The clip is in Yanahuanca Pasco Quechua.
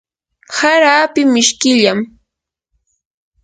hara api mishkillam.